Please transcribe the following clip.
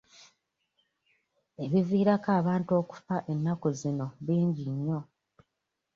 Ebiviirako abantu okufa ennaku zino bingi nnyo.